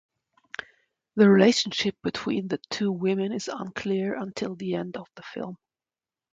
The relationship between the two women is unclear until the end of the film.